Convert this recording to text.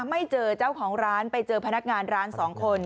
ไม่เจอเจ้าของร้านไปเจอพนักงานร้านสองคน